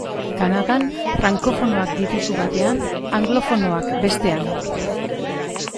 Kanadan, frankofonoak dituzu batean, anglofonoak bestean.